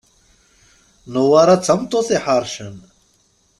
Newwara d tameṭṭut iḥercen.